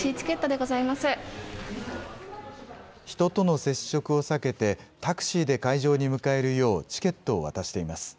人との接触を避けて、タクシーで会場に迎えるよう、チケットを渡しています。